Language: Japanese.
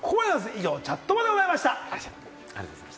以上、チャットバでございました。